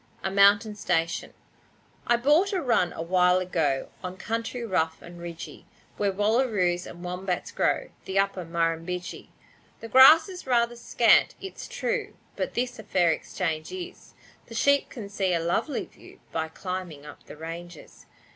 A Mountain Station I bought a run a while ago, On country rough and ridgy, Where wallaroos and wombats grow The Upper Murrumbidgee. The grass is rather scant, it's true, But this a fair exchange is, The sheep can see a lovely view By climbing up the ranges.